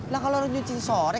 lah kalau lu nyuci sore